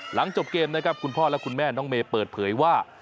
หลังจบเกมนะครับคุณพ่อและคุณแม่น้องเมย์เปิดเผยว่า